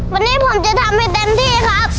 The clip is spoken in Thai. วันนี้ผมจะทำให้เต็มที่ครับ